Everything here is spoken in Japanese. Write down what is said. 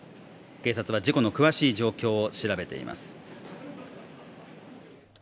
警察は事故の詳しい状況を調べています。